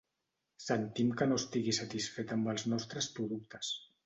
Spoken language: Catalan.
Sentim que no estigui satisfet amb els nostres productes.